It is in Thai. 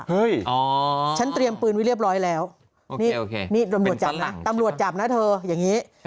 เฮ้ยฉันเตรียมปืนไว้เรียบร้อยแล้วตำรวจจับนะเธออย่างนี้